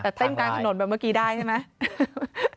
แต่เต้นกลางถนนแบบเมื่อกี้ได้ใช่ไหม